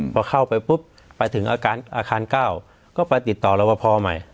พอเข้าไปปุ๊บไปถึงอาคาร๙ก็ไปติดต่อรับพอใหม่